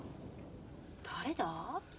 誰だ？